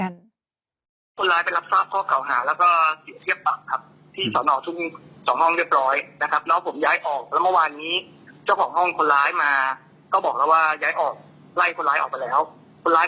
นิติทำไมไม่ทำเรื่องอะไรเลย